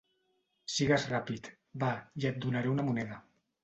Sigues ràpid, va, i et donaré una moneda.